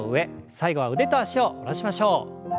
最後は腕と脚を戻しましょう。